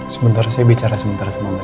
sebentar saya bicara sebentar sama mbak nisi ya